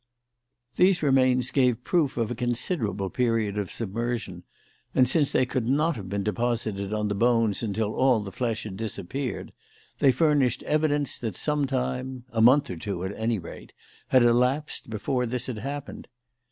These remains gave proof of a considerable period of submersion, and since they could not have been deposited on the bones until all the flesh had disappeared, they furnished evidence that some time a month or two, at any rate had elapsed since this had happened.